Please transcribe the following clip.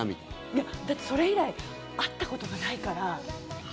いや、だってそれ以来会ったことがないから。